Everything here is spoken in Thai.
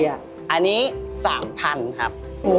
อันนี้สามพันครับ